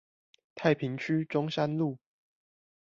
太平區中山路